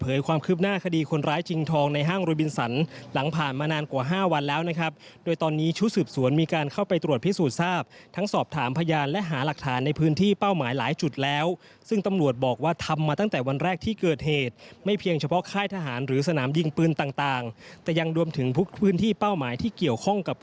มีความคืบหน้าคดีคนร้ายจริงทองในห้างรวยบินสรรค์หลังผ่านมานานกว่า๕วันแล้วนะครับโดยตอนนี้ชุดสืบสวนมีการเข้าไปตรวจพิสูจน์ทราบทั้งสอบถามพยานและหาหลักฐานในพื้นที่เป้าหมายหลายจุดแล้วซึ่งตำรวจบอกว่าทำมาตั้งแต่วันแรกที่เกิดเหตุไม่เพียงเฉพาะค่ายทหารหรือสนามยิงปืนต่างแต่ย